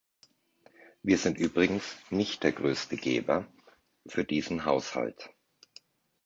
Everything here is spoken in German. Wir sind übrigens nicht der größte Geber für diesen Haushalt.